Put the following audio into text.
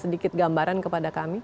sedikit gambaran kepada kami